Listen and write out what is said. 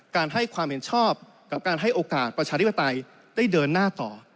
ให้ความเห็นชอบกับการให้โอกาสประชาธิปไตยได้เดินหน้าต่อ